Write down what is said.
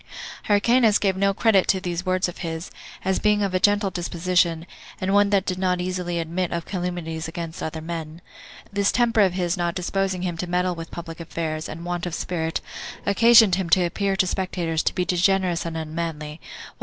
Hyrcanus gave no credit to these words of his, as being of a gentle disposition, and one that did not easily admit of calumnies against other men. This temper of his not disposing him to meddle with public affairs, and want of spirit, occasioned him to appear to spectators to be degenerous and unmanly; while.